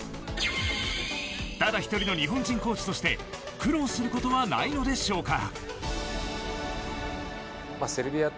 ただ１人の日本人コーチとして苦労することはないのでしょうか。